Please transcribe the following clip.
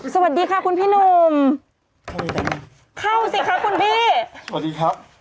สวัสดีค่ะคุณพี่หนุ่มเข้าสิคะคุณพี่สวัสดีครับ